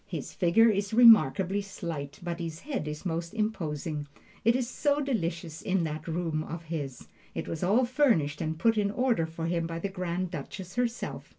His figure is remarkably slight, but his head is most imposing. It is so delicious in that room of his! It was all furnished and put in order for him by the Grand Duchess herself.